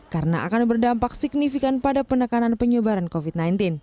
karena akan berdampak signifikan pada penekanan penyebaran covid sembilan belas